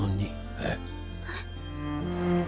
えっ。